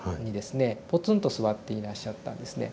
ポツンと座っていらっしゃったんですね。